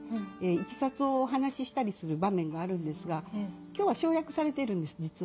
いきさつをお話ししたりする場面があるんですが今日は省略されているんです実は。